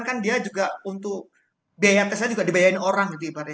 kan dia juga untuk biaya tesnya juga dibayarin orang gitu ibaratnya